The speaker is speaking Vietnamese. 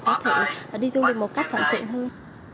có thể đi du lịch một cách thuận tiện hơn